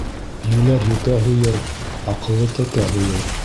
Йүләр йүкә һуйыр, аҡыллы тәкә һуйыр.